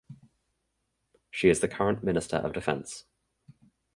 She is the current Minister of Defence.